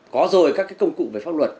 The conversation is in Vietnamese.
có rồi các công cụ về pháp luật